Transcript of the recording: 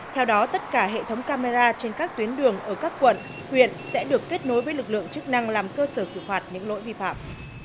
theo đó tất cả hệ thống camera trên các tuyến đường ở các quận huyện sẽ được kết nối với lực lượng chức năng làm cơ sở xử phạt những lỗi vi phạm